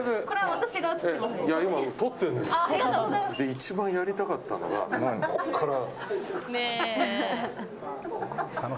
一番やりたかったのがここから。